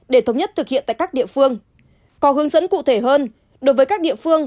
để thống nhất thực hiện tại các địa phương có hướng dẫn cụ thể hơn đối với các địa phương